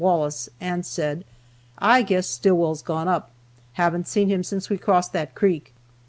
Wallace, and said: "I guess Stillwell's gone up. Haven't seen him since we crossed that creek."